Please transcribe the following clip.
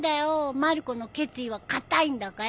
まる子の決意は固いんだから。